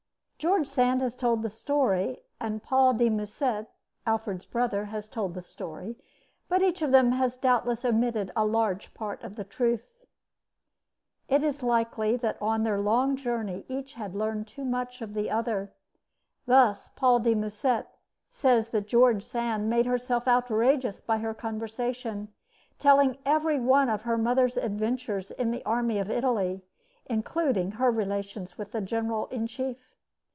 George Sand has told the story, and Paul de Musset Alfred's brother has told the story, but each of them has doubtless omitted a large part of the truth. It is likely that on their long journey each had learned too much of the other. Thus, Paul de Musset says that George Sand made herself outrageous by her conversation, telling every one of her mother's adventures in the army of Italy, including her relations with the general in chief.